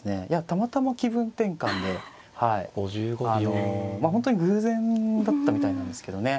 たまたま気分転換であの本当に偶然だったみたいなんですけどね。